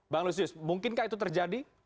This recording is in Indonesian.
bang lusius mungkinkah itu terjadi